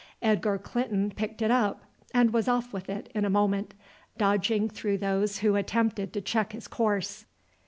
Edgar Clinton picked it up, and was off with it in a moment, dodging through those who attempted to check his course.